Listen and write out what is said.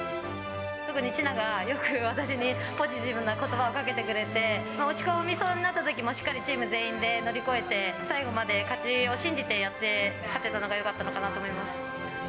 特にちなが、よく私に、ポジティブなことばをかけてくれて、落ち込みそうになったときも、しっかりチーム全員で乗り越えて、最後まで勝ちを信じてやって、勝てたのがよかったのかなと思い